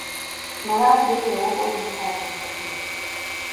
Мылам веле огыл омсажым почеш?